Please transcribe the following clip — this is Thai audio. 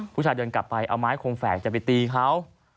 ผู้ชายเดินกลับไปเอาไม้คงแฝกจะไปตีเขา